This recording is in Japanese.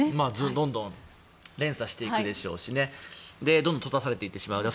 どんどん連鎖していくでしょうしどんどん閉ざされていってしまう。